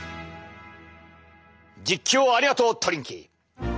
実況ありがとうトリンキー。